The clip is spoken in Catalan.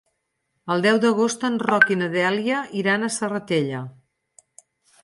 El deu d'agost en Roc i na Dèlia iran a la Serratella.